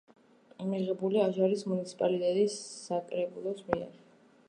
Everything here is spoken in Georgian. მიღებულია აჟარის მუნიციპალიტეტის საკრებულოს მიერ.